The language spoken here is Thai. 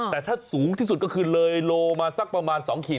แต่ถ้าสูงที่สุดก็คือเลยโลมาสักประมาณ๒ขีด